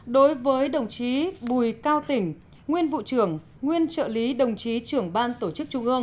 đối với đồng chí bùi cao tỉnh nguyên vụ trưởng nguyên trợ lý đồng chí trưởng ban tổ chức trung ương